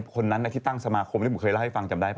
คนนั้นที่ตั้งสมาคมที่ผมเคยเล่าให้ฟังจำได้ป่